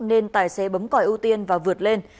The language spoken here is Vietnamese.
nên tài xế bấm còi ưu tiên và vượt lên